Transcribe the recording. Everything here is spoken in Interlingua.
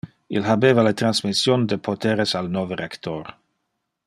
Il habeva le transmission de poteres al nove rector.